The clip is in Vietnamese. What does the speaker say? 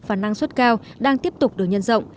và năng suất cao đang tiếp tục được nhân rộng